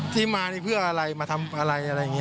ที่มานี่เพื่ออะไรมาทำอะไรอะไรอย่างนี้